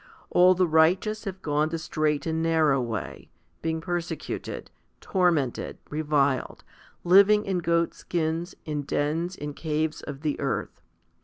All the righteous have gone the straight and narrow way, being persecuted, tor mented, reviled, living in goatskins, in dens, in caves of , the earth.